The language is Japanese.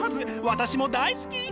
私も大好き！